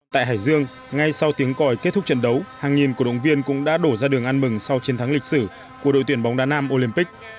tại hải dương ngay sau tiếng còi kết thúc trận đấu hàng nghìn cổ động viên cũng đã đổ ra đường ăn mừng sau chiến thắng lịch sử của đội tuyển bóng đá nam olympic